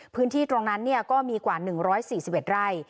พื้นที่ตรงนั้นเนี่ยก็มีกว่าหนึ่งร้อยสี่สิบเอ็ดไร่